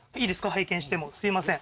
拝見してもすいません